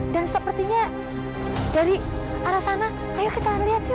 sepertinya dari arah sana ayo kita lihat yuk